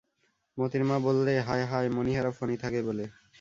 মোতির মা বললে, হায় হায়, মণিহারা ফণী যাকে বলে।